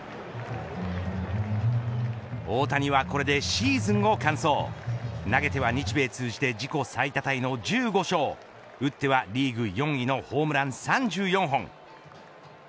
大谷はこれでシーズンを完走投げては、日米を通じて自己最多タイの１５勝打ってはリーグ４位のホームラン３４本。